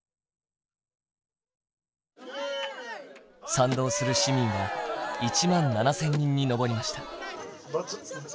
賛同する市民は１万７，０００人に上りました。